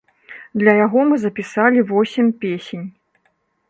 Для яго мы запісалі восем песень.